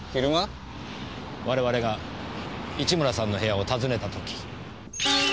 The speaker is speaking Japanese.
我々が市村さんの部屋を訪ねたとき。